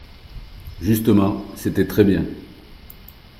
Justement, c’était très bien